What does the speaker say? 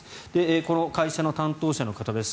この会社の担当者の方です。